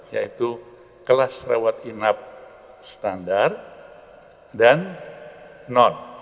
yaitu kelas rawat inap standar dan non